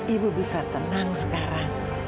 ibu bisa tenang sekarang